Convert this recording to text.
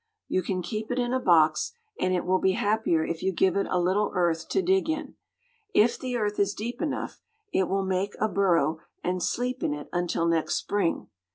You can keep it in a box, and it will be happier if you give it a little earth to dig in. If the earth is deep enough, it will make a burrow and sleep in it until next spring.